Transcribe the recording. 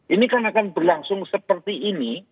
ini kan akan berlangsung seperti ini